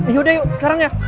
yaudah yuk sekarang ya